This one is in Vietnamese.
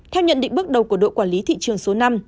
theo nhận định bước đầu của đội quản lý thị trường số năm